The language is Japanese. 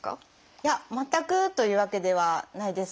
いや全くというわけではないです。